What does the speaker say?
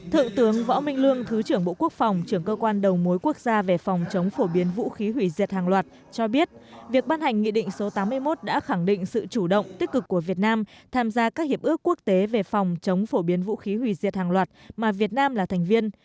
thượng tướng võ minh lương thứ trưởng bộ quốc phòng trưởng cơ quan đầu mối quốc gia về phòng chống phổ biến vũ khí hủy diệt hàng loạt cho biết việc ban hành nghị định số tám mươi một đã khẳng định sự chủ động tích cực của việt nam tham gia các hiệp ước quốc tế về phòng chống phổ biến vũ khí hủy diệt hàng loạt mà việt nam là thành viên